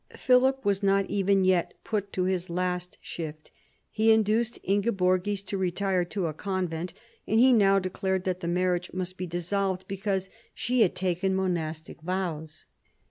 Philip was not even yet put to his last shift. He induced Ingeborgis to retire to a convent, and he now declared that the marriage must be dissolved because she had taken monastic vows.